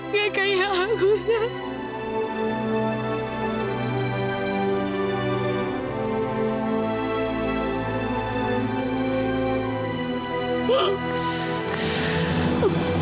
nggak kayak aku za